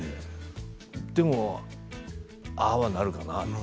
でも、ああはあるかなって。